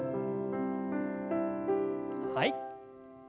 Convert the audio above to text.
はい。